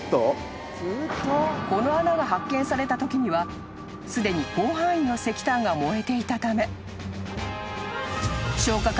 ［この穴が発見されたときにはすでに広範囲の石炭が燃えていたため］